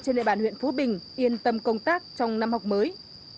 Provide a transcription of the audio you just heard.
trên địa bàn huyện phú bình yên tâm công tác trong năm học mới